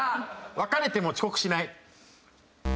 別れても遅刻しない。